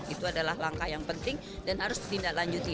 itu adalah langkah yang penting dan harus ditindaklanjuti